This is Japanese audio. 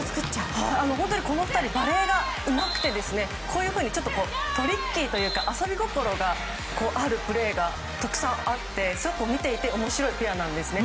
本当にこの２人バレーがうまくてトリッキーというか遊び心があるプレーがたくさんあって見ていておもしろいペアなんですね。